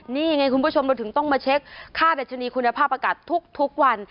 นี่ไงคุณผู้ชมเราถึงต้องมาเช็คค่าดัชนีคุณภาพอากาศทุกวัน